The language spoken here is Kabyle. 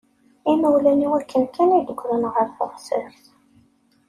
Imawlan-iw akken kan i d-wwḍen ɣer teɣsert.